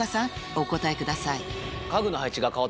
お答えください